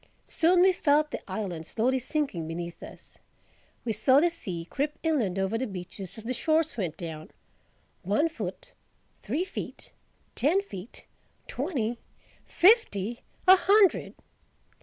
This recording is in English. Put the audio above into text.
Soon we felt the island slowly sinking beneath us. We saw the sea creep inland over the beaches as the shores went down—one foot, three feet, ten feet, twenty, fifty, a hundred.